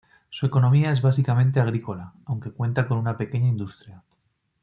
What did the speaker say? Su economía es básicamente agrícola, aunque cuenta con una pequeña industria.